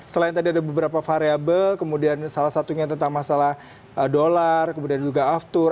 selain tadi ada beberapa variable kemudian salah satunya tentang masalah dolar kemudian juga aftur